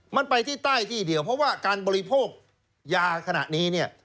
มันไปที่ใต้ที่เดียวเพราะว่าการบริโภคยาขณะนี้เนี่ย